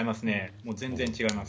もう全然違います。